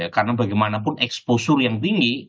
karena bagaimanapun exposure yang tinggi